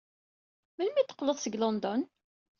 Melmi ay d-teqqled seg London?